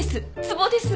つぼです。